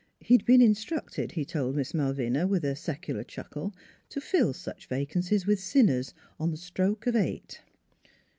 He had been instructed, he told Miss Malvina, with a secular chuckle, to fill such vacancies with sinners, on the stroke of eight.